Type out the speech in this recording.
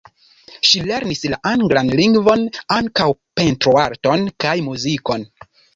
Ŝi lernis la anglan lingvon, ankaŭ pentroarton kaj muzikon.